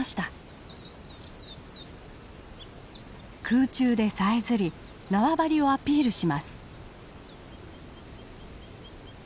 空中でさえずり縄張りをアピールします。